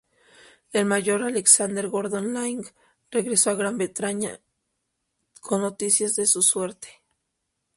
El Mayor Alexander Gordon Laing regresó a Gran Bretaña con noticias de su suerte.